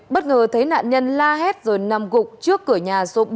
vừa thấy nạn nhân la hét rồi nằm gục trước cửa nhà số bốn trăm linh sáu